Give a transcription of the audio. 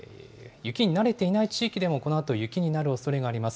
雪に慣れていない地域でもこのあと雪になるおそれがあります。